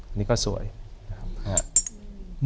อันนี้ก็สวยนะครับ